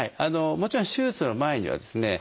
もちろん手術の前にはですね